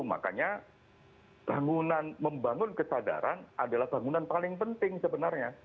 makanya membangun kesadaran adalah bangunan paling penting sebenarnya